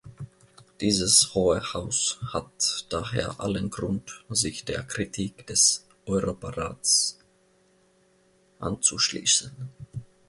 Dieses Hohe Haus hat daher allen Grund, sich der Kritik des Europarats anzuschließen.